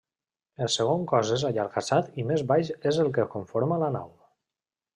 El segon cos és allargassat i més baix és el que conforma la nau.